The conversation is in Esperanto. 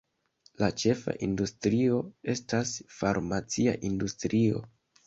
La ĉefa industrio estas farmacia industrio.